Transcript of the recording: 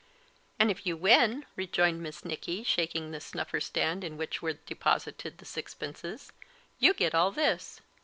"And if you win," rejoined Miss Nicky, shaking the snuffer stand in which were deposited the sixpences, "you get all this."